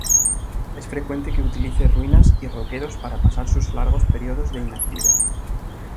Es frecuente que utilice ruinas y roquedos para pasar sus largos periodos de inactividad.